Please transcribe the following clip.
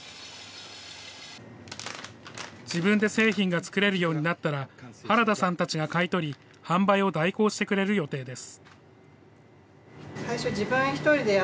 自分で製品が作れるようになったら、原田さんたちが買い取り、販売を代行してくれる予定です。